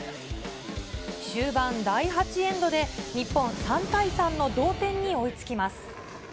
終盤、第８エンドで日本、３対３の同点に追いつきます。